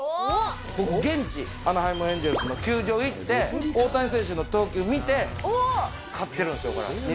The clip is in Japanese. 現地、アナハイムエンゼルスの球場行って、大谷選手の投球見て、買ってるんですよ、これ。